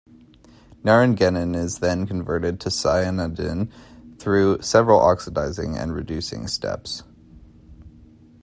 Naringenin is then converted to cyanidin through several oxidizing and reducing steps.